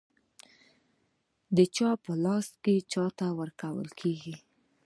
چا په لاس و چاته ورکول کېږي.